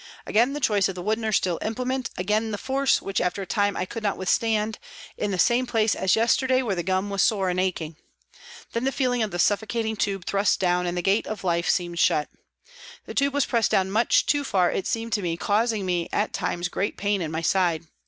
Again the choice of the wooden or steel implement, again the force, which after a time I could not with stand, in the same place as yesterday where the gum was sore and aching. Then the feeling of the suffocating tube thrust down and the gate of life seemed shut. The tube was pressed down much too far, it seemed to me, causing me at times great pain in my side.